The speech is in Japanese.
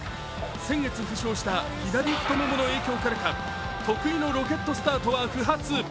先月負傷した左太ももの影響からか得意のロケットスタートは不発。